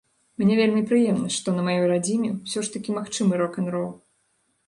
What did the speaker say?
Мне вельмі прыемна, што на маёй радзіме ўсё ж такі магчымы рок-н-рол.